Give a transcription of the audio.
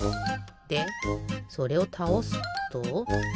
でそれをたおすと。